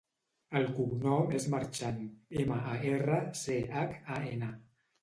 El cognom és Marchan: ema, a, erra, ce, hac, a, ena.